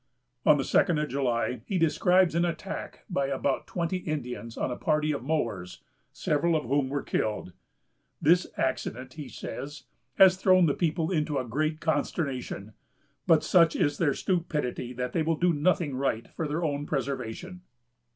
On the second of July, he describes an attack by about twenty Indians on a party of mowers, several of whom were killed. "This accident," he says, "has thrown the people into a great consternation, but such is their stupidity that they will do nothing right for their own preservation."